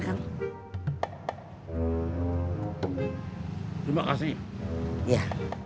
terima kasih ya